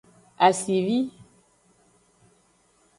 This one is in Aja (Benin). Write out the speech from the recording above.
Asivi.